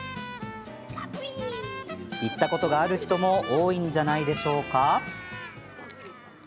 行ったことがある人も多いんじゃないでしょうか。